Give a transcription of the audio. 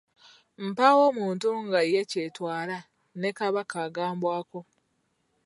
Mpaawo muntu nga ye kyetwala ne Kabaka agambwako.